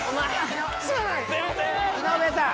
井上さん